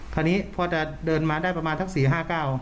คราวนี้พอจะเดินมาได้ประมาณ๔๕เก้า